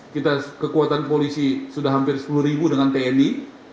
kita kekuatan polisi sudah hampir sepuluh ribu dengan tni